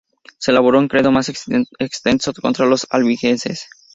Se elaboró un credo más extenso, contra los albigenses.